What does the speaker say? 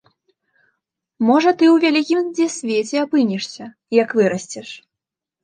Можа ты ў вялікім дзе свеце апынешся, як вырасцеш.